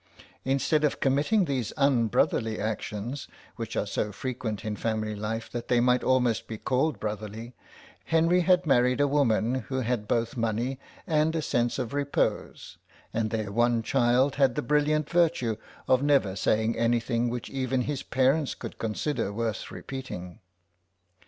Instead of committing these unbrotherly actions, which are so frequent in family life that they might almost be called brotherly, Henry had married a woman who had both money and a sense of repose, and their one child had the brilliant virtue of never saying anything which even its parents could consider worth repeating.